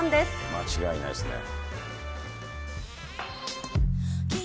間違いないですね。